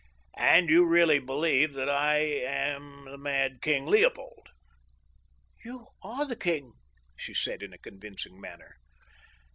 "And you really believe that I am the mad king Leopold?" "You are the king," she said in a convincing manner.